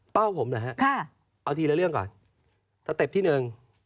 ผมนะฮะเอาทีละเรื่องก่อนสเต็ปที่หนึ่ง